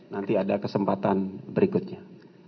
nanti ada kesempatan berikutnya